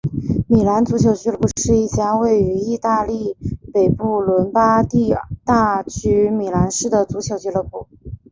米兰足球俱乐部是一家位于义大利北部伦巴第大区米兰市的足球俱乐部。